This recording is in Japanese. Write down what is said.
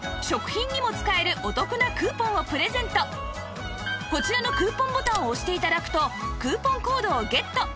なんとこちらのクーポンボタンを押して頂くとクーポンコードをゲット